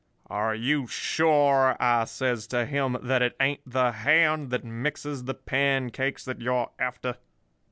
"'Are you sure,' I says to him, 'that it ain't the hand that mixes the pancakes that you're after?